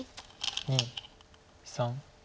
２３。